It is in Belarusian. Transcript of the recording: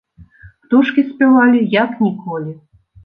Птушкі спявалі як ніколі.